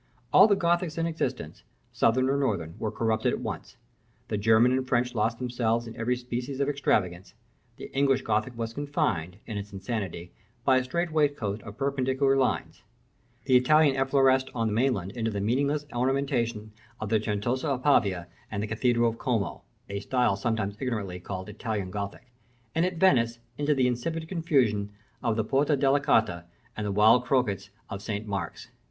All the Gothics in existence, southern or northern, were corrupted at once: the German and French lost themselves in every species of extravagance; the English Gothic was confined, in its insanity, by a strait waistcoat of perpendicular lines; the Italian effloresced on the mainland into the meaningless ornamentation of the Certosa of Pavia and the Cathedral of Como (a style sometimes ignorantly called Italian Gothic), and at Venice into the insipid confusion of the Porta della Carta and wild crockets of St. Mark's.